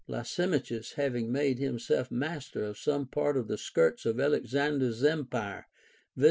Lysimachus, having made himself master of some part of the skirts of Alexander's empire, viz.